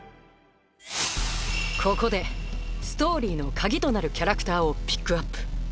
ここでストーリーの鍵となるキャラクターをピックアップ！